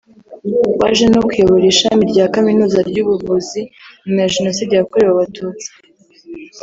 waje no kuyobora Ishami rya kaminuza ry’ubuvuzi nyuma ya Jenoside yakorewe Abatutsi